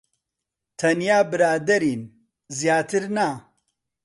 تەنیا برادەرین. زیاتر نا.